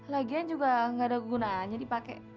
lagian juga gak ada kegunaannya dipake